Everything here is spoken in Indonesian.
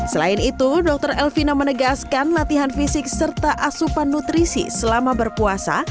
selain itu dokter elvina menegaskan latihan fisik serta asupan nutrisi selama berpuasa